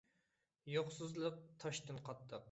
يوقسۇزلۇق تاشتىن قاتتىق.